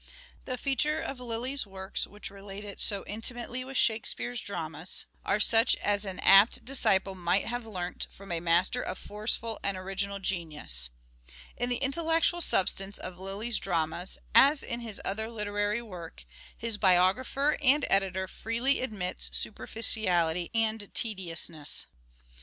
The features of Lyly's work which relate it so intimately with " Shakespeare's " dramas are such as an apt disciple might have learnt from a master of forceful and original genius : in the intellectual substance of Lyly's dramas, as in his other literary work, his biographer and editor freely admits superficiality and tediousness.